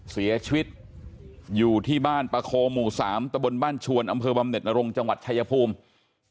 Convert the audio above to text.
เสียชีวิตอยู่ที่บ้านปะโคหมู่๓ตะบนบ้านชวนอำเภอบำเน็ตนรงจังหวัดชายภูมิ